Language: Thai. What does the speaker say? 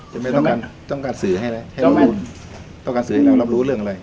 ไม่ต้องการต้องการต้องการสื่อให้อะไรให้เรารู้ต้องการสื่อให้เรารับรู้เรื่องอะไร